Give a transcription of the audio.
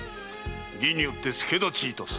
義によって助太刀いたす。